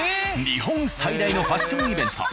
日本最大のファッションイベント